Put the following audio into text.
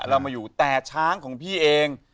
เรามาอยู่แต่ช้างของพี่เอง